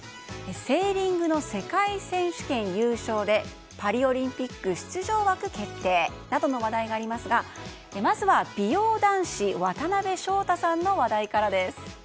セーリングの世界選手権優勝でパリオリンピック出場枠決定などの話題がありますがまずは美容男子渡辺翔太さんの話題からです。